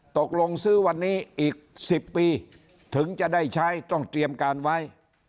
ตกลงซื้อวันนี้อีก๑๐ปีถึงจะได้ใช้ต้องเตรียมการไว้